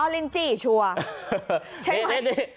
อ๋อลินจี่ชัวร์